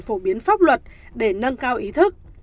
phổ biến pháp luật để nâng cao ý thức